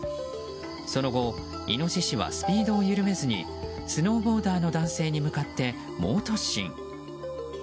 その後、イノシシはスピードを緩めずにスノーボーダーの男性に向かって猛突進。